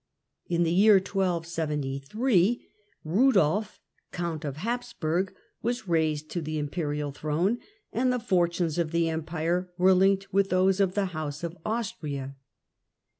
I^Un the year 1273 Eudolf, Count of Habsburg, was pPlfeed to the Imperial throne, and the fortunes of the Empire were linked with those of the House of Austria.